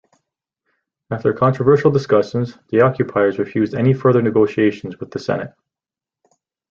After controversial discussions, the occupiers refused any further negotiations with the Senate.